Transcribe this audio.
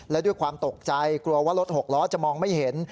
และด้วยความตกใจกลัวว่ารถหกล้อจะมองไม่เห็น